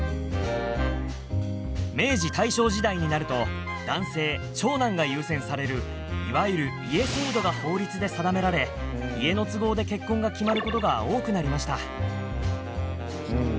「明治大正時代になると男性長男が優先されるいわゆる『家』制度が法律で定められ家の都合で結婚が決まることが多くなりました。